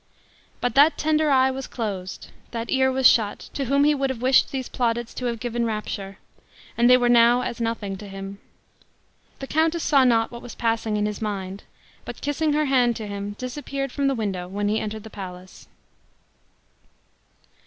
But that tender eye was closed that ear was shut, to whom he would have wished these plaudits to have given rapture and they were now as nothing to him. The countess saw not what was passing in his mind, but kissing her hand to him, disappeared from the window when he entered the palace.